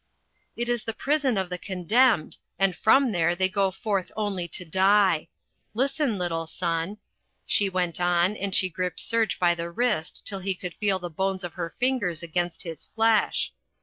"It is the prison of the condemned, and from there they go forth only to die. Listen, little son," she went on, and she gripped Serge by the wrist till he could feel the bones of her fingers against his flesh.